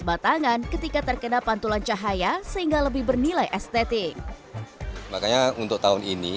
batangan ketika terkena pantulan cahaya sehingga lebih bernilai estetik makanya untuk tahun ini